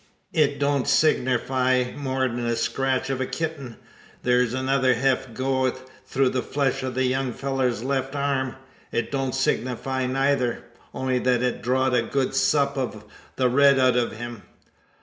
It don't signerfy more'n the scratch o' a kitting. Thur's another hev goed through the flesh o' the young fellur's left arm. It don't signerfy neyther only thet it drawed a good sup o' the red out o' him.